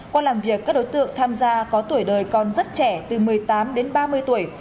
qua làm việc các đối tượng tham gia có tuổi đời còn rất trẻ từ một mươi tám đến ba mươi tuổi